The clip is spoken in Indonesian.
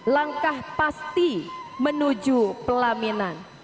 langkah pasti menuju pelaminan